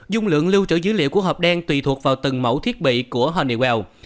dung lượng lưu trữ dữ liệu của hộp đen tùy thuộc vào từng mẫu thiết bị của hòniwell